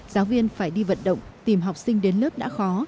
giáo viên phải đi vận động tìm học sinh đến lớp đã khó